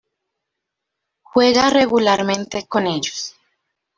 Juega regularmente con ellos.